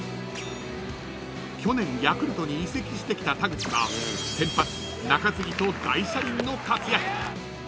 ［去年ヤクルトに移籍してきた田口は先発中継ぎと大車輪の活躍］